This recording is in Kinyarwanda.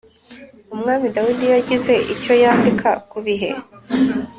Umwami dawidi yagize icyo yandika ku bihe